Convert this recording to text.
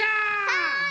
はい！